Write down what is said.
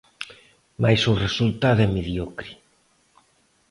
Mais o resultado é mediocre.